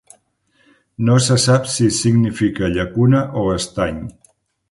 No se sap si significa llacuna o estany.